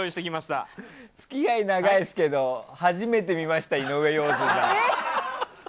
付き合い長いですけど初めて見ました井上陽水さん。